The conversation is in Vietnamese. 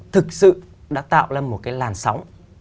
thực sự đã tạo ra một cái làn sóng